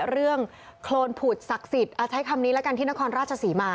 โครนผุดศักดิ์สิทธิ์ใช้คำนี้แล้วกันที่นครราชศรีมา